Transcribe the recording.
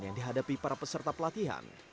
yang dihadapi para peserta pelatihan